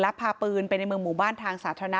พาปืนไปในเมืองหมู่บ้านทางสาธารณะ